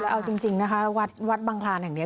เอาจริงนะคะวัดบังคลานแห่งนี้